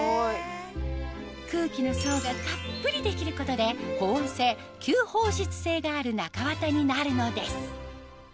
空気の層がたっぷり出来ることで保温性吸放湿性がある中わたになるのです